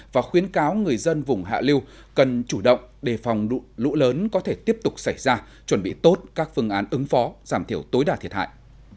và khuyến cáo người dân vùng hạ lưu cần chủ động đề phòng lũ lớn có thể tiếp tục xảy ra chuẩn bị tốt các phương án ứng phó giảm thiểu tối đa thiệt hại